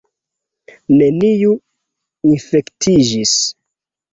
Neniu infektiĝis!